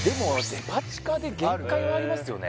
デパ地下で限界はありますよね